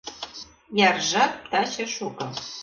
Яра жап таче шуко.